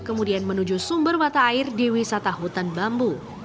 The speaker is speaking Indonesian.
kemudian menuju sumber mata air di wisata hutan bambu